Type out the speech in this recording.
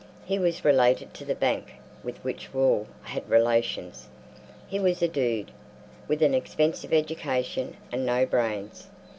He was related to the bank with which Wall had relations. He was a dude, with an expensive education and no brains.